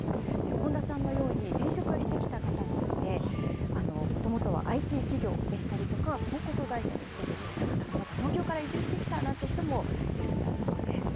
本多さんのように転職してきた方もいて、もともとはＩＴ企業でしたりとか、広告会社に勤めていた方、また東京から移住してきたなんて人もいるんだそうです。